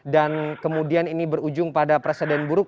dan kemudian ini berujung pada presiden buruk